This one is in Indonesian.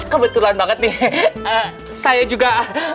kebetulan banget nih saya juga